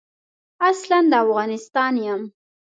اصلاً د افغانستان یم.